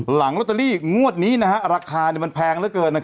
หลังลอตเตอรี่งวดนี้นะฮะราคาเนี่ยมันแพงแล้วเกินนะครับ